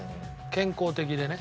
健康的でね。